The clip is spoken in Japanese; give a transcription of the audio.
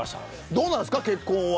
どうですか、結婚は。